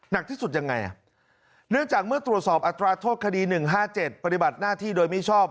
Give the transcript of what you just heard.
หนักที่สุดยังไงเนื่องจากเมื่อตรวจสอบอัตราโทษคดี๑๕๗ปฏิบัติหน้าที่โดยมิชอบ